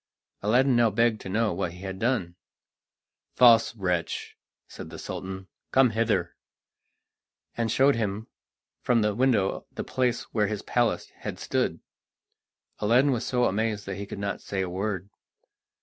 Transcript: Aladdin now begged to know what he had done. "False wretch!" said the Sultan, "come hither," and showed him from the window the place where his palace had stood. Aladdin was so amazed that he could not say a word.